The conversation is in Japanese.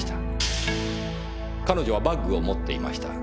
彼女はバッグを持っていました。